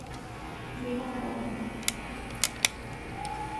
Viva Papa